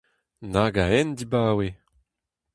Nag a hent dibaoe !